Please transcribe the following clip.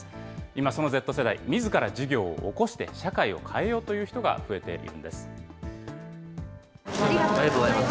今、そのＺ世代、みずから事業を興して、社会を変えようという人が増えているんです。